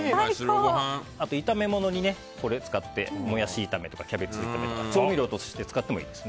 炒め物にこれを使ってモヤシ炒めとかキャベツ炒めとか調味料として使ってもいいです。